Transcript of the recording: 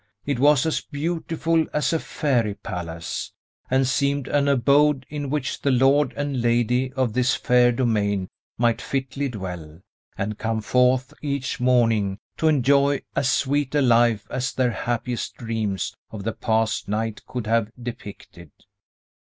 It was as beautiful as a fairy palace, and seemed an abode in which the lord and lady of this fair domain might fitly dwell, and come forth each morning to enjoy as sweet a life as their happiest dreams of the past night could have depicted.